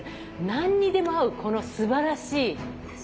何にでも合うこのすばらしいパスタ。